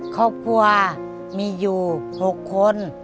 ครอบครัวมีอยู่๖คน